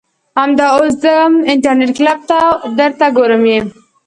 زه همدا اوس ځم انترنيټ کلپ ته درته ګورم يې .